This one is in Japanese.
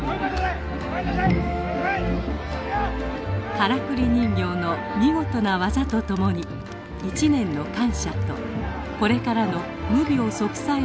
からくり人形の見事な技とともに一年の感謝とこれからの無病息災を願います。